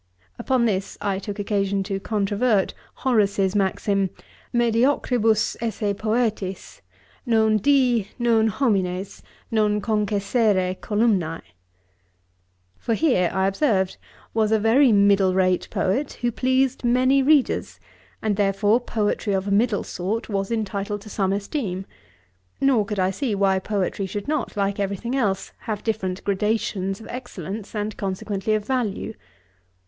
Upon this I took occasion to controvert Horace's maxim, ' mediocribus esse poetis Non Di, non homines, non concessére columnæ.' For here, (I observed,) was a very middle rate poet, who pleased many readers, and therefore poetry of a middle sort was entitled to some esteem; nor could I see why poetry should not, like every thing else, have different gradations of excellence, and consequently of value.